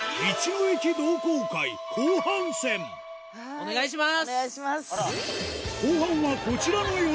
お願いします！